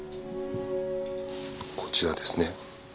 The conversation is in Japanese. こちらですね。